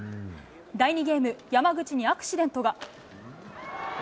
第２ゲーム、山口にアクシデントが。